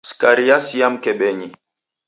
Skari yasia mkebenyi.